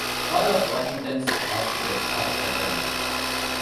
Half of Washington's hospitals are Catholic.